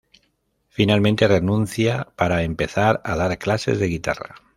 Finalmente renuncia para empezar a dar clases de guitarra.